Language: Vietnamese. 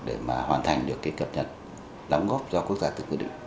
để mà hoàn thành được cái cập nhật đóng góp do quốc gia tự quyết định